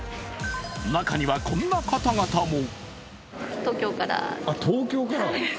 中にはこんな方々も。